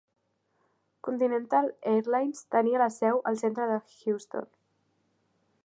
Continental Airlines tenia la seu al centre de Houston.